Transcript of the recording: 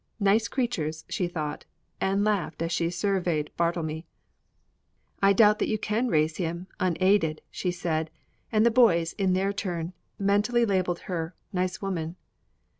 "Nice creatures!" she thought, and laughed as she surveyed Bartlemy. "I doubt that you could raise him unaided," she said. And the boys, in their turn, mentally labelled her: "Nice woman."